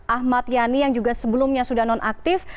ahmad yani yang juga sebelumnya sudah nonaktif